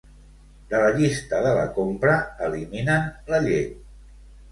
De la llista de la compra elimina'n la llet.